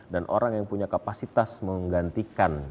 dan orang yang punya kapasitas menggantikan